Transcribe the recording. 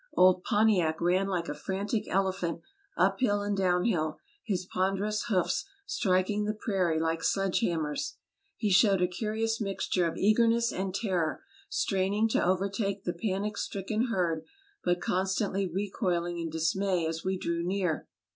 Old Pontiac ran like a frantic elephant up hill and down hill, his ponderous hoofs striking the prairie like sledge hammers. He showed a curious mix ture of eagerness and terror, straining to overtake the panic stricken herd, but constantly recoiling in dismay as we drew near.